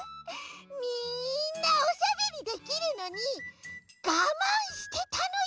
みんなおしゃべりできるのにがまんしてたのよ！